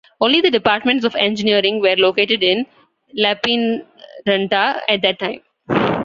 Only the departments of engineering were located in Lappeenranta at that time.